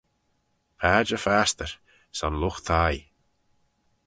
Padjer fastyr son lught-thie.